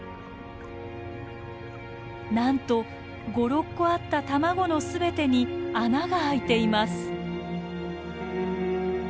なんと５６個あった卵の全てに穴が空いています。